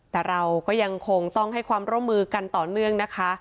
แต่เราก็ยังคงต้องให้ความร่วมมือกันต่อเนื่องนะคะ